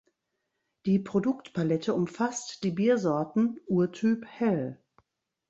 Die Produktpalette umfasst die Biersorten "Urtyp Hell".